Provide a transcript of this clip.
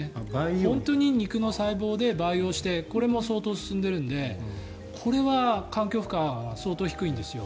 本当に肉の細胞で培養してこれも相当進んでいるのでこれは環境負荷が相当低いんですよ。